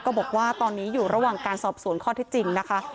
บอกว่าตอนนี้อยู่ระหว่างการสอบสวนข้อที่จริงนะคะ